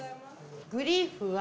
グリーフは。